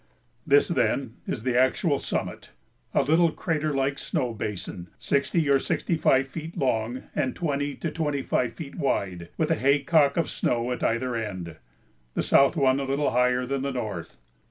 This, then, is the actual summit, a little crater like snow basin, sixty or sixty five feet long and twenty to twenty five feet wide, with a haycock of snow at either end the south one a little higher than the north.